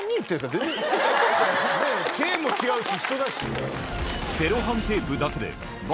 全然チェーンも違うし人だし。